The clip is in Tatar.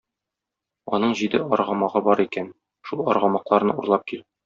Аның җиде аргамагы бар икән, шул аргамакларны урлап кил.